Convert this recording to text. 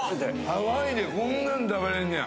ハワイでこんなん食べれんねや！